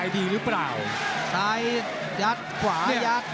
ซ้ายยัดขวายัด